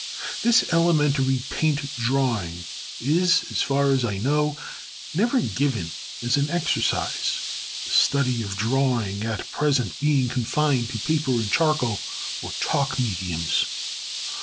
This elementary paint drawing is, as far as I know, never given as an exercise, the study of drawing at present being confined to paper and charcoal or chalk mediums.